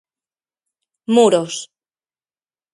Muros.